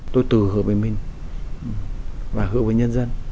tôi từ hợp với mình và hợp với nhân dân